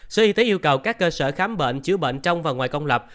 sở y tế yêu cầu các cơ sở khám bệnh chữa bệnh trong và ngoài công lập